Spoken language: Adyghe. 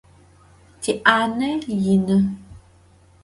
Ti'ane yinı.